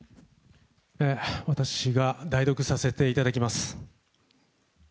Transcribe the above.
私が代読させていただきます。